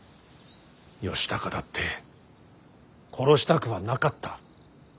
義高だって殺したくはなかった。